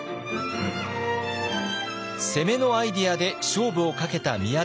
攻めのアイデアで勝負をかけた宮田さん。